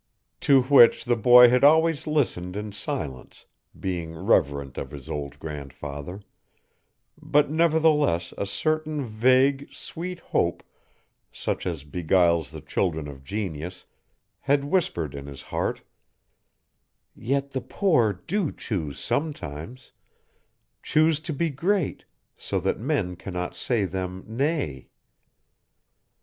To which the boy had always listened in silence, being reverent of his old grandfather; but nevertheless a certain vague, sweet hope, such as beguiles the children of genius, had whispered in his heart, "Yet the poor do choose sometimes choose to be great, so that men cannot say them nay."